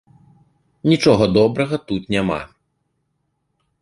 Нічога добрага тут няма.